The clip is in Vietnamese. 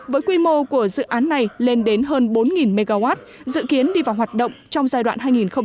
với quy mô của dự án này lên đến hơn bốn mw dự kiến đi vào hoạt động trong giai đoạn hai nghìn hai mươi hai nghìn hai mươi năm